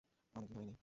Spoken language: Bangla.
অনেকদিন ধরেই নেই।